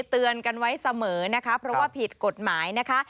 เตือนกันไว้เสมอนะคะเพราะว่าผิดกฎหมายนะคะ